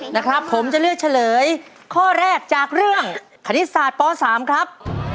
นะครับผมจะเลือกเฉลยข้อแรกจากเรื่องคณิตศาสตร์ป๓ครับ